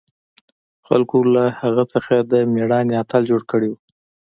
خلقو له هغه څخه د مېړانې اتل جوړ کړى و.